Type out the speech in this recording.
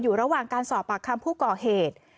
อยู่ระหว่างการสอบปากคำผู้ก่อเหตุ